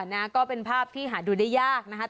นะก็เป็นภาพที่หาดูได้ยากนะครับ